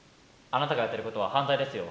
あなたがやってることは犯罪ですよ。